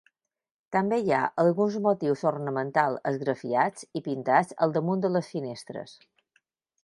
També hi ha alguns motius ornamentals esgrafiats i pintats al damunt de les finestres.